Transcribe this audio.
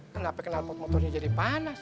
kenapa kenalpot motornya jadi panas